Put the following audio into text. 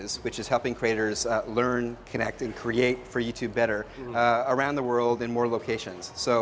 yaitu membantu kreator belajar berhubung dan membuat youtube lebih baik di seluruh dunia di lokasi lainnya